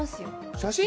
写真？